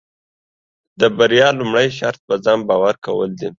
د بریا لومړی شرط پۀ ځان باور کول دي.